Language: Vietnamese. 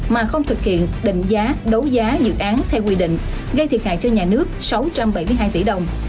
mà không thực hiện định giá đấu giá dự án theo quy định gây thiệt hại cho nhà nước sáu trăm bảy mươi hai tỷ đồng